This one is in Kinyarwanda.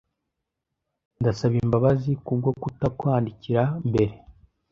Ndasaba imbabazi kubwo kutakwandikira mbere.